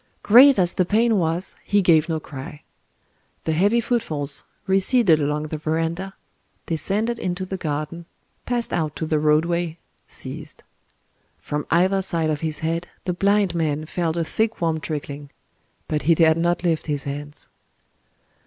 Great as the pain was, he gave no cry. The heavy footfalls receded along the verandah,—descended into the garden,—passed out to the roadway,—ceased. From either side of his head, the blind man felt a thick warm trickling; but he dared not lift his hands...